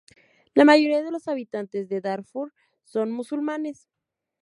La mayoría de los habitantes de Darfur son musulmanes.